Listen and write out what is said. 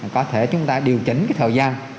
có thể chúng ta điều chỉnh thời gian